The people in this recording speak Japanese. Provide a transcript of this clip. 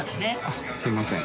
あっすいません。